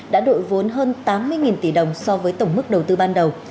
đã đội vốn hơn tám mươi tỷ đồng so với tổng mức đầu tư ban đầu